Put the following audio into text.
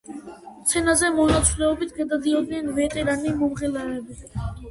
სცენაზე მონაცვლეობით გამოდიოდნენ ვეტერანი მომღერლები.